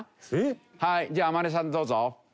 はいじゃあ天音さんどうぞ。